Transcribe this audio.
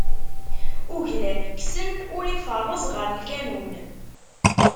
Uglan kksen, ur ifeṛṛez ɣer lkanun.